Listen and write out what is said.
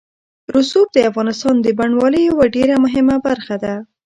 رسوب د افغانستان د بڼوالۍ یوه ډېره مهمه برخه ده.